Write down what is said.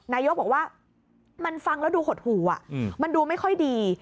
นายกบอกว่ามันฟังแล้วดูหดหู่มันดูไม่ค่อยดี